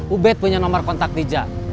ubed punya nomor kontak tiga